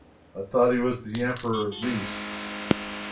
I thought he was the Emperor at least.